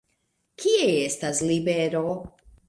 Kie estas Libero?